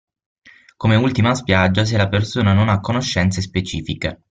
Come ultima spiaggia se la persona non ha conoscenze specifiche.